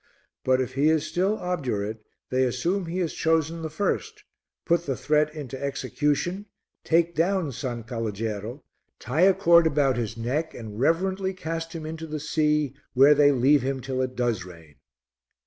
But if he is still obdurate, they assume he has chosen the first, put the threat into execution, take down S. Calogero, tie a cord about his neck and reverently cast him into the sea where they leave him till it does rain.